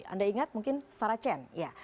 anda ingat mungkin sarah chen ya